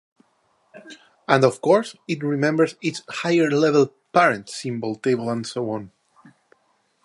And of course it remembers its higher level "parent" symbol table and so on.